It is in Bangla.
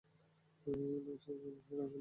না, সে আমার টাইপের না।